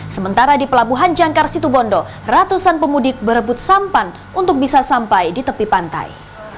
sementara di pelabuhan jangkar situbondo ratusan pemudik berebut sampan untuk bisa sampai di tepi pantai